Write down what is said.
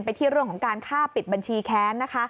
ที่เรื่องของการฆ่าปิดบัญชีแค้นนะคะ